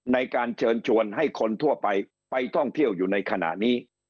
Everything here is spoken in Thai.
ในการเชิญชวนให้คนทั่วไปไปท่องเที่ยวอยู่ในขณะนี้